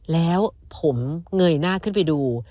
แล้วผมเงยหน้าขึ้นไปดู